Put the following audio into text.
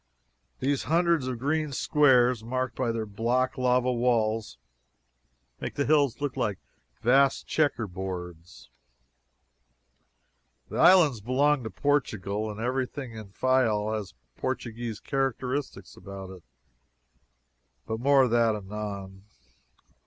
These hundreds of green squares, marked by their black lava walls, make the hills look like vast checkerboards. The islands belong to Portugal, and everything in Fayal has Portuguese characteristics about it. But more of that anon.